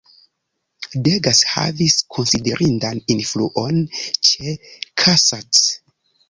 Degas havis konsiderindan influon ĉe Cassatt.